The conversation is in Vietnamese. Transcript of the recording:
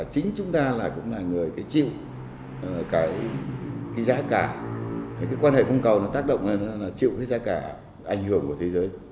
chính chúng ta cũng là người phải chịu cái giá cả cái quan hệ cung cầu nó tác động lên là chịu cái giá cả ảnh hưởng của thế giới